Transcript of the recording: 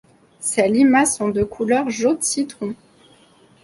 Ces limaces sont de couleur jaune citron.